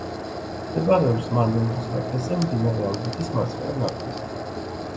მდებარეობს მარნეულის ვაკეზე, მდინარე ალგეთის მარცხენა ნაპირზე.